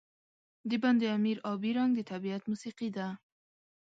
د بند امیر آبی رنګ د طبیعت موسيقي ده.